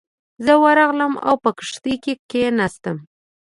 زه ورغلم او په کښتۍ کې کېناستم.